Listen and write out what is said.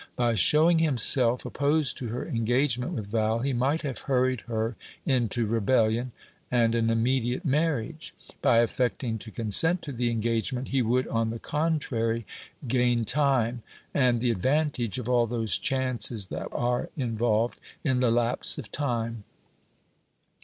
By showing himself opposed to her engagement with Val, he might have hurried her into rebellion, and an immediate marriage. By affecting to consent to the engagement, he would, on the contrary, gain time, and the advantage of all those chances that are involved in the lapse of time."